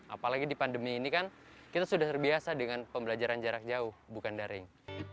apalagi di pandemi ini kan kita sudah terbiasa dengan pembelajaran jarak jauh bukan daring